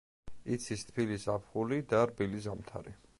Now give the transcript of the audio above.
იცის თბილი ზაფხული და რბილი ზამთარი.